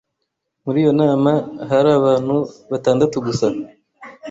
Muri iyo nama hari abantu batandatu gusa.